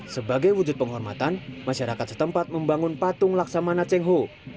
sebagai wujud penghormatan masyarakat setempat membangun patung laksamana cheng ho